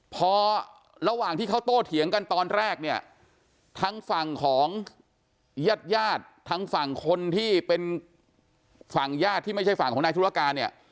พอระหว่างที่เขาโตเถียงกันตอนแรกเนี่ยทางฝั่งของญาติญาติทั้งฝั่งคนที่เป็นฝั่งญาติที่ไม่ใช่ฝั่งของนายธุรการเนี่ย